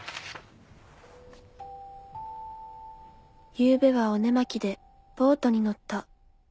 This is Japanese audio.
「ゆうべはお寝間着でボートに乗った」。